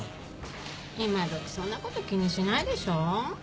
今どきそんなこと気にしないでしょ。